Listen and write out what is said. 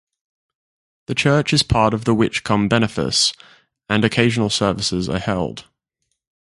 The church is part of the Winchcombe benefice and occasional services are held.